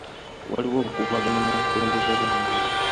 Waliwo obukuubagano mu bukulembeze bw'ennono.